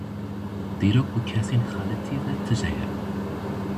Dîrok bi kesên xelitî ve tije ye.